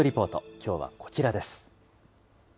きょうはこちらです。